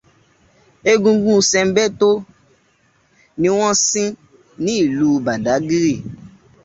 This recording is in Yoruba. Egúngún Sanbẹ́tọ́ ni wón sìn ní ìlú Bàdágìrì.